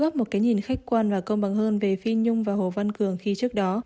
góp một cái nhìn khách quan và công bằng hơn về phi nhung và hồ văn cường khi trước đó